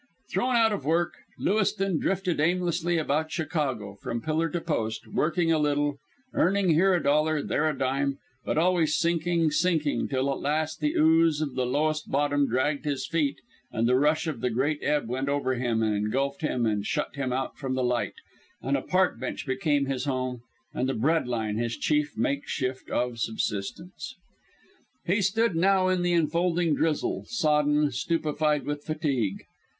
Thrown out of work, Lewiston drifted aimlessly about Chicago, from pillar to post, working a little, earning here a dollar, there a dime, but always sinking, sinking, till at last the ooze of the lowest bottom dragged at his feet and the rush of the great ebb went over him and engulfed him and shut him out from the light, and a park bench became his home and the "bread line" his chief makeshift of subsistence. He stood now in the enfolding drizzle, sodden, stupefied with fatigue.